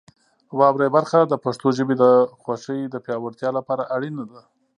واورئ برخه د پښتو ژبې د خوښۍ د پیاوړتیا لپاره اړینه ده.